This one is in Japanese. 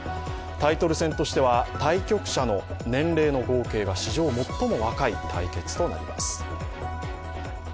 タイトル戦としては対局者の年齢の合計が史上最も若い対決となります。